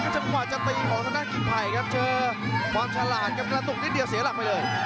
จำกว่าจะตีของสนักกิ๊กไภย์ครับเจอความฉลาดกับกระตุกนิดเดียวเสียหลักไปเลย